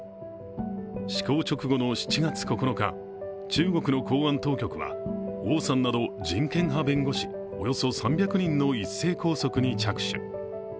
施行直後の７月９日、中国の公安当局は王さんなど人権派弁護士およそ３００人の一斉拘束に着手。